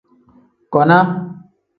Kona.